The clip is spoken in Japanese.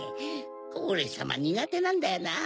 オレさまにがてなんだよな。